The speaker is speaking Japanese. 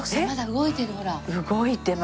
動いてます。